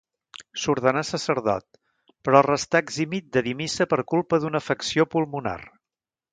S'ordenà sacerdot, però restà eximit de dir missa per culpa d'una afecció pulmonar.